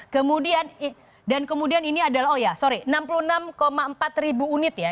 kemudian dan kemudian ini adalah oh ya sorry enam puluh enam empat ribu unit ya